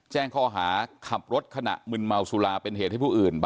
แจ้งข้อหาขับรถขณะมึนเมาสุราเป็นเหตุให้ผู้อื่น